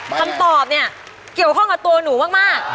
คำตอบเนี่ยเกี่ยวข้องกับตัวหนูมาก